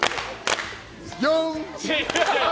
４。